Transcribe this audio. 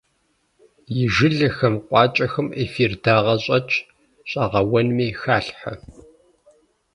И жылэхэм, къуакӏэхэм эфир дагъэ щӏэтщ, щӏэгъэуэнми халъхьэ.